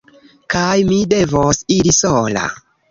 Kaj mi devos iri sola.